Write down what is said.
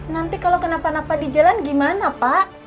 nanti kalau kenapa napa di jalan gimana pak